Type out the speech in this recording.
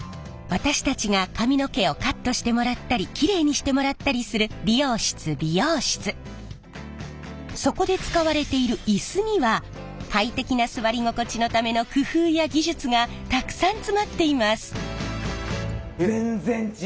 私たちが髪の毛をカットしてもらったりきれいにしてもらったりするそこで使われているイスには快適な座り心地のための工夫や技術がたくさん詰まっています。